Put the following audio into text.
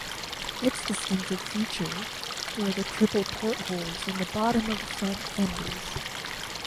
Its distinctive feature were the triple portholes on the bottom of the front fenders.